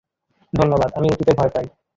ধন্যবাদ, আমি উঁচুতে ভয় পাই।